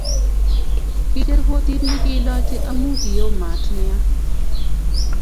Kicher kotit ni kiilochi amu kio mat nea